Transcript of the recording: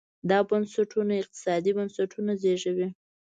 دا بنسټونه اقتصادي بنسټونه زېږوي.